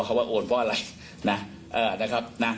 เขาว่าโอนเพราะอะไรนะครับนะ